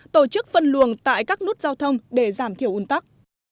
tổ chức phân luồng tại các nút giao thông để giảm thiểu un tắc